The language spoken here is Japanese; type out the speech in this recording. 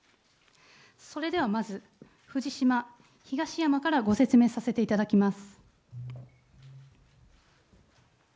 それではまず、藤島、東山からご説明させていただきます。